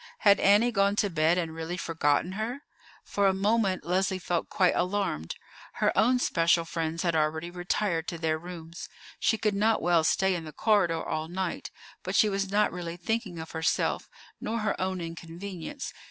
Had Annie gone to bed and really forgotten her? For a moment Leslie felt quite alarmed. Her own special friends had already retired to their rooms. She could not well stay in the corridor all night; but she was not really thinking of herself nor her own inconvenience.